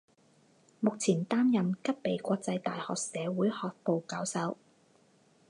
目前担任吉备国际大学社会学部教授。